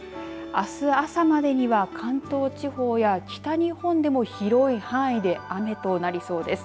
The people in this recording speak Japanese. あす朝までには関東地方や北日本でも広い範囲で雨となりそうです。